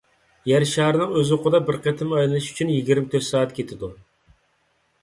يەر شارىنىڭ ئۆز ئوقىدا بىر قېتىم ئايلىنىشى ئۈچۈن يىگىرمە تۆت سائەت كېتىدۇ.